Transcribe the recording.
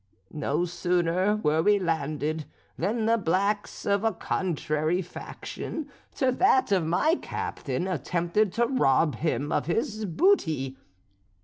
"No sooner were we landed, than the blacks of a contrary faction to that of my captain attempted to rob him of his booty.